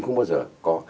không bao giờ có